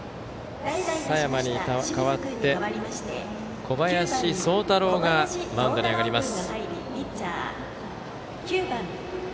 佐山に代わって、小林聡太朗がマウンドに上がります。